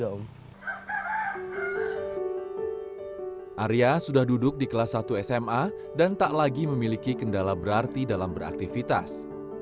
arya sudah duduk di kelas satu sma dan tak lagi memiliki kendala berarti dalam beraktivitas